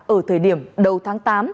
ở thời điểm đầu tháng tám